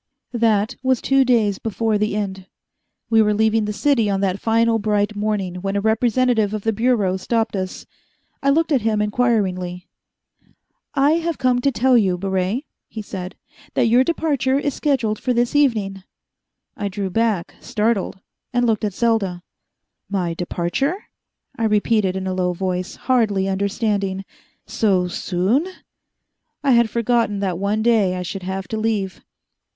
That was two days before the end. We were leaving the city on that final bright morning, when a representative of the Bureau stopped us. I looked at him inquiringly. "I have come to tell you, Baret," he said, "that your departure is scheduled for this evening." I drew back, startled, and looked at Selda. "My departure?" I repeated in a low voice, hardly understanding. "So soon?" I had forgotten that one day I should have to leave.